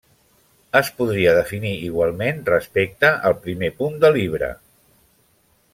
Es podria definir igualment respecte al primer punt de Libra.